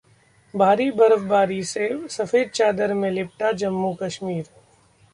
भारी बर्फबारी से सफेद चादर में लिपटा जम्मू-कश्मीर